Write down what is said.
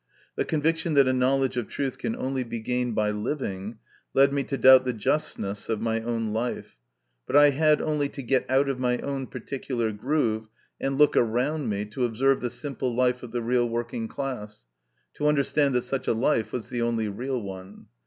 The conviction that a knowledge of truth can only be gained by living led me to doubt the justness of my own life ; but I had only to get out of my own particular groove and look around me to observe the simple life of the real working class, to understand that such a life was the only real one.